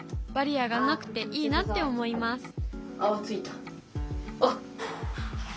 バリアがなくていいなって思います